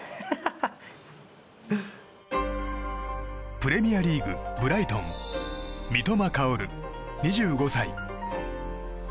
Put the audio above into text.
プレミアリーグ、ブライトン三笘薫、２５歳。